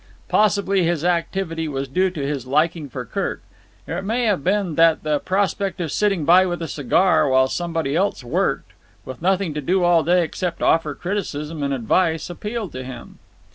Possibly his activity was due to his liking for Kirk; or it may have been that the prospect of sitting by with a cigar while somebody else worked, with nothing to do all day except offer criticism, and advice, appealed to him.